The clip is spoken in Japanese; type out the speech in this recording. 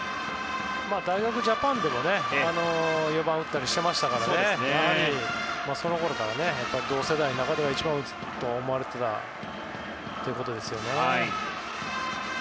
大学ジャパンでも４番を打ったりしていますからそのころから同世代の中では一番打つと思われてましたね。